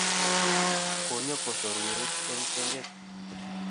Konyo kosoruech eng tengek